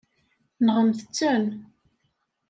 Nɣemt-ten.